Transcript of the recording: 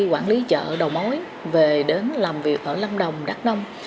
quản lý chợ đầu mối về đến làm việc ở lâm đồng đắk nông